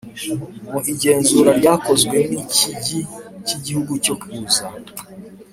mu igenzura ryakozwe n Ikigi cy Igihugu cyo kuza